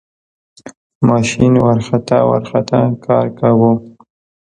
ماشین ورخطا ورخطا کار کاوه.